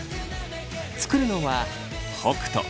作るのは北斗。